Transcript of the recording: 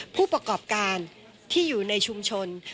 ผู้ประกอบการที่อยู่ในชุมชน